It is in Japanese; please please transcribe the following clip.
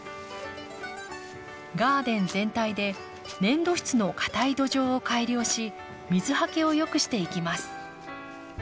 ガーデン全体で粘土質のかたい土壌を改良し水はけをよくしていきます。